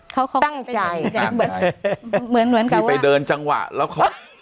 เขาเขาตั้งใจเหมือนเหมือนกับว่าพี่ไปเดินจังหวะแล้วเขา